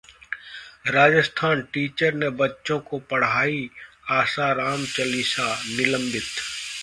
Rajasthan: teacher ने बच्चों को पढ़ाई आसाराम चालीसा, निलंबित